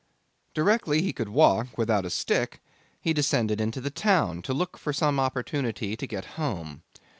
Directly he could walk without a stick, he descended into the town to look for some opportunity to get home.